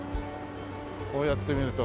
こうやって見ると。